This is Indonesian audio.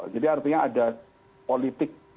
jadi artinya ada politik